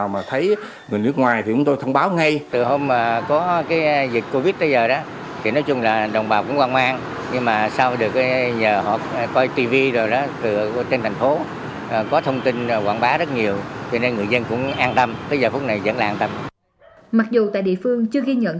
mặc dù tại địa phương chưa ghi nhận